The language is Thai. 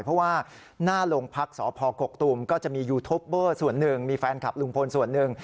เพราะว่าหน้าโรงพักสพกกตูมก็จะมียูทูปเบอร์ส่วนหนึ่งมีแฟนคลับลุงพลส่วนหนึ่ง